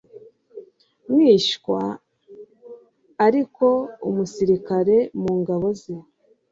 mwishywa ariko umusirikare mu ngabo ze